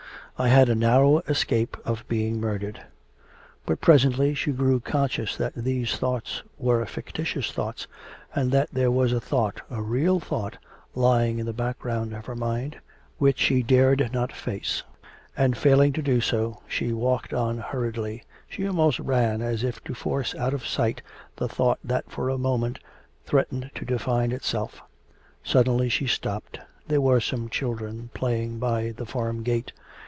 I had a narrow escape of being murdered.' But presently she grew conscious that these thoughts were fictitious thoughts, and that there was a thought, a real thought, lying in the background of her mind, which she dared not face; and failing to do so, she walked on hurriedly, she almost ran as if to force out of sight the thought that for a moment threatened to define itself. Suddenly she stopped; there were some children playing by the farm gate.